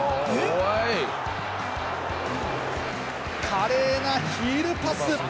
華麗なヒールパス！